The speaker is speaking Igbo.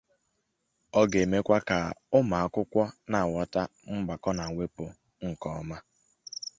kụziere ha ọrụ aka